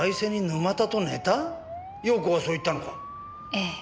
ええ。